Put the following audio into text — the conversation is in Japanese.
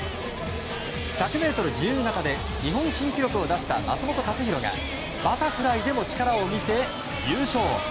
１００ｍ自由形で日本新記録を出した松元克央がバタフライでも力を見せ、優勝。